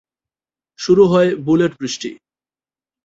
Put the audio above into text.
শুরু হয়ে বুলেট-বৃষ্টি।